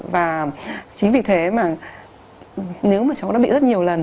và chính vì thế mà nếu mà cháu đã bị rất nhiều lần